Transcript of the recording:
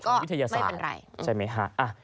ก็ไม่เป็นไรใช่ไหมฮะ